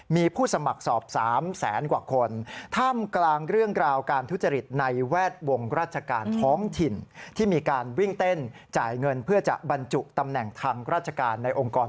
มีผู้สมัครสอบ๓แสนกว่าคน